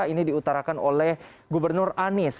ini diutarakan oleh gubernur anies